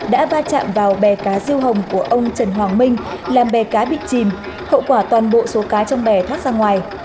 đã va chạm vào bè cá siêu hồng của ông trần hoàng minh làm bè cá bị chìm hậu quả toàn bộ số cá trong bè thoát ra ngoài